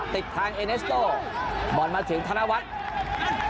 ติดทางเอเนสโต้บอลมาถึงธนวัฒน์